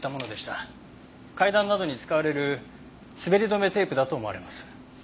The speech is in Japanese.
階段などに使われる滑り止めテープだと思われます。